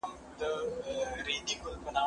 زه کولای سم ږغ واورم!.